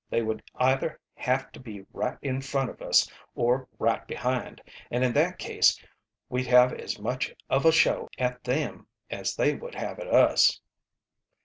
They would either have to be right in front of us or right behind, and in that case we'd have as much of a show at them as they would have at us."